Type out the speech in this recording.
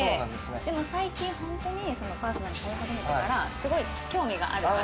でも最近ホントにパーソナル通い始めてからすごい興味があるから。